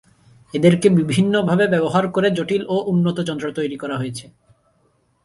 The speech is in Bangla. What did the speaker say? এদেরকে বিভিন্নভাবে ব্যবহার করে জটিল ও উন্নত যন্ত্র তৈরি করা হয়েছে।